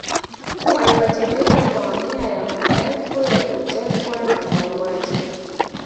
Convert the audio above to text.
Waliwajibika kwa mamia ya maelfu ya kutekwa na mauaji